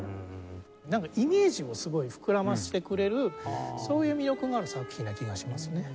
なんかイメージをすごい膨らませてくれるそういう魅力もある作品な気がしますね。